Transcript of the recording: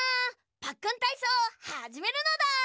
パックンたいそうはじめるのだ！